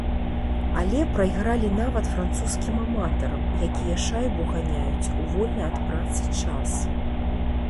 Але прайгралі нават французскім аматарам, якія шайбу ганяюць у вольны ад працы час.